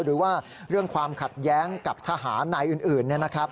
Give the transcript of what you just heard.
หรือว่าเรื่องความขัดแย้งกับทหารนายอื่น